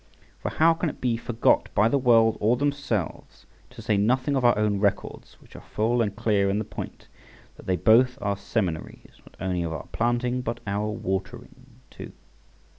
For how can it be forgot by the world or themselves, to say nothing of our own records, which are full and clear in the point, that they both are seminaries, not only of our planting, but our watering too.